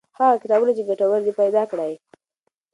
هغه کتابونه چې ګټور دي پیدا کړئ.